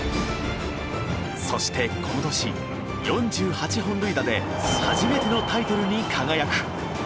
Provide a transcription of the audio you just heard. そしてこの年４８本塁打で初めてのタイトルに輝く。